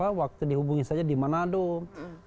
tadi kan waktu dihubungin saja dimana mana